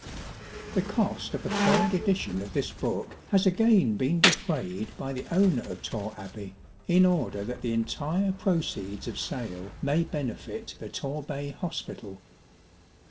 rTlHE cost of a third edition of this book has again been * defrayed by the owner of Torre Abbey, in order that the entire proceeds of sale may benefit the Torbay Hospital.